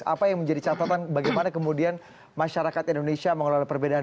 apa yang menjadi catatan bagaimana kemudian masyarakat indonesia mengelola perbedaan